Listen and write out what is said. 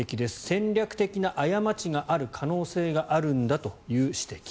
戦略的な過ちがある可能性があるんだという指摘。